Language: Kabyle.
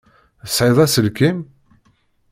Tesεiḍ aselkim?